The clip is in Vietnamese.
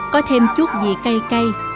có thêm chút gì cây cây